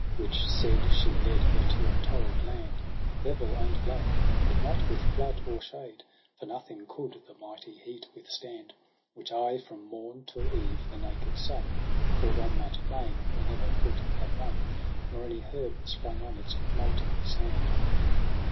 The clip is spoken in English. Which said, she led her to a torrid land. Level and black, but not with flood or shade. For nothing coud the mighty heat withstand. Which aye from morn tiU eve the naked sun Pour'd on that plain, where never foot had run, Nor any herb sprung on its molten sand.